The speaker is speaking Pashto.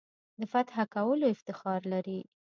د فتح کولو افتخار لري.